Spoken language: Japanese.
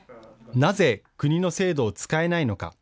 なぜ、国の制度を使えないのか。